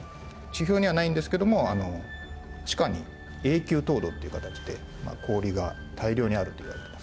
地表にはないんですけども地下に永久凍土っていう形で氷が大量にあるといわれてますね。